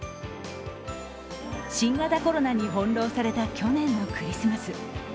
新型コロナに翻弄された去年のクリスマス。